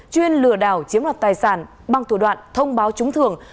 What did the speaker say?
chuyên lừa đảo chiếm đoạt tài sản bằng thủ đoạn thông báo trúng thường